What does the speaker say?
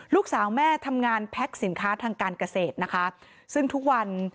ลูกสาวแม่ทำงานแพ็คสินค้าทางการเกษตรนะคะซึ่งทุกวัน